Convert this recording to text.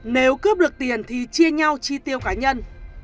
nếu cướp được tiền thì chia nhau chi tiêu cá nhân